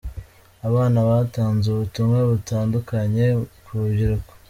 Abana batanze ubutumwa butandukanye ku rubyiruko.